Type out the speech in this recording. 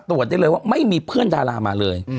ตรวจได้เลยว่าไม่มีเพื่อนดารามาเลย